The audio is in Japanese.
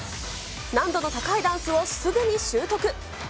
難度の高いダンスをすぐに習得。